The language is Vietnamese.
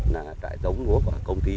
là trại giống ngũa của công ty